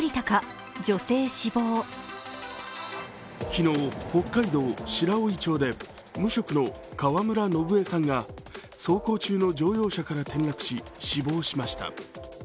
昨日、北海道白老町で無職の川村伸恵さんが走行中の乗用車から転落し、死亡しました。